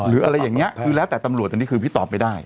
หรืออะไรอย่างนี้คือแล้วแต่ตำรวจอันนี้คือพี่ตอบไม่ได้